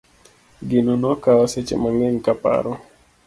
Gino nokawa seche mang'eny ka paro.